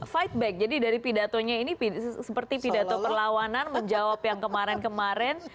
fight back jadi dari pidatonya ini seperti pidato perlawanan menjawab yang kemarin kemarin